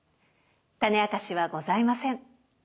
タネあかしはございません。